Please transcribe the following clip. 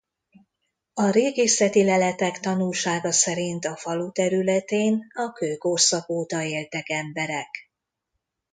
A régészeti leletek tanúsága szerint a falu területén a kőkorszak óta éltek emberek.